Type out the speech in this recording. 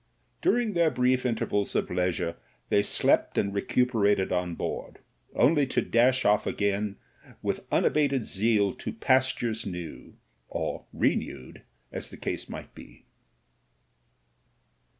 During their brief intervals of leisure they slept and recuperated on board, only to dash off again with unabated zeal to pastures new, or renewed, as the case might be.